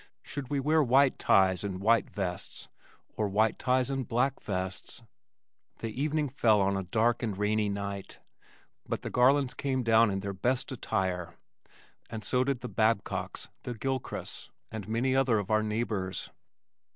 Should we wear white ties and white vests, or white ties and black vests? The evening fell on a dark and rainy night, but the Garlands came down in their best attire and so did the Babcocks, the Gilchrists and many other of our neighbors.